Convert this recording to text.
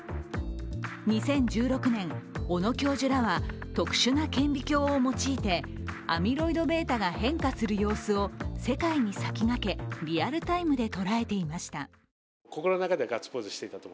２０１６年、小野教授らは特殊な顕微鏡を用いてアミロイドβが変化する様子を世界に先駆け、リアルタイムで捉えていました。